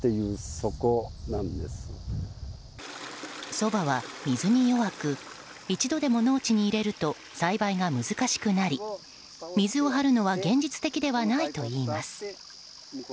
ソバは水に弱く一度でも農地に入れると栽培が難しくなり水を張るのは現実的ではないといいます。